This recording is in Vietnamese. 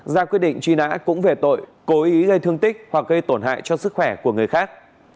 ra quyết định truy nã cũng về tội cố ý gây thương tích hoặc gây tổn hại cho sức khỏe của người khác